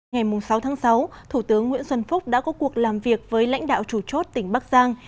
ngày sáu tháng sáu thủ tướng nguyễn xuân phúc đã có cuộc làm việc với lãnh đạo chủ chốt tỉnh bắc giang